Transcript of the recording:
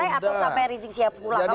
atau sampai rizik sihab pulang